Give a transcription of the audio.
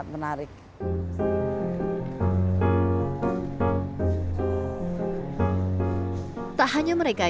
adobe marley dan seperti itu